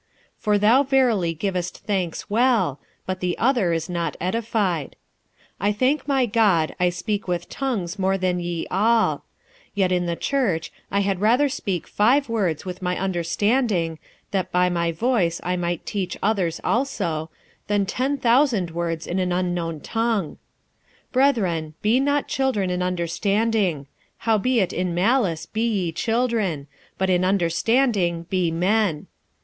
46:014:017 For thou verily givest thanks well, but the other is not edified. 46:014:018 I thank my God, I speak with tongues more than ye all: 46:014:019 Yet in the church I had rather speak five words with my understanding, that by my voice I might teach others also, than ten thousand words in an unknown tongue. 46:014:020 Brethren, be not children in understanding: howbeit in malice be ye children, but in understanding be men.